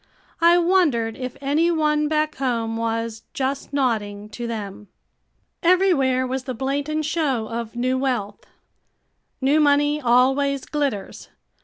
I wondered if any one back home was "just nodding" to them. Everywhere was the blatant show of new wealth. New money always glitters.